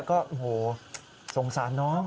ก็โอ้โหสงสารน้อง